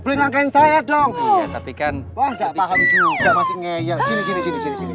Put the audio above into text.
boleh ngangkain saya dong tapi kan wah nggak paham juga masih ngeyel sini sini sini sini